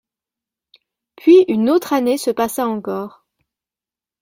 Puis une autre année se passa encore.